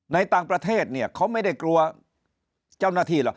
ในต่างประเทศเนี่ยเขาไม่ได้กลัวเจ้าหน้าที่หรอก